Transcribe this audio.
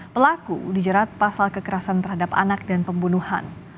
pelaku dijerat pasal kekerasan terhadap anak dan pembunuhan